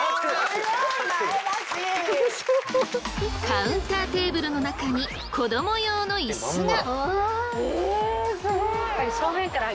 カウンターテーブルの中に子ども用のイスが！